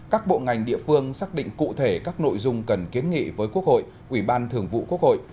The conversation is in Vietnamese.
các bộ ngành địa phương xác định cụ thể các nội dung cần kiến nghị với quốc hội ủy ban thường vụ quốc hội